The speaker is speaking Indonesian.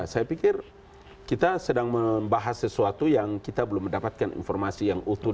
saya pikir kita sedang membahas sesuatu yang kita belum mendapatkan informasi yang utuh